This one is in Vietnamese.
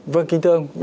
vâng kính thưa ông